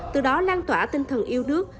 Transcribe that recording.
từ đó lan tỏa tinh thần yêu nước